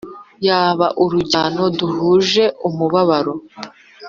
byaba urujyano duhuje umubano